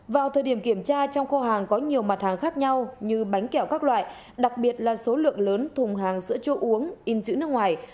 vào thời điểm kiểm tra trong kho hàng có nhiều mặt hàng khác nhau như bánh kẹo các loại đặc biệt là số lượng lớn thùng hàng sữa chua uống in chữ nước ngoài